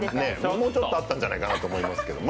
もうちょっとあったんじゃないかなと思いますけれどもね。